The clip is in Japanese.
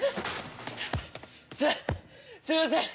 すすいません！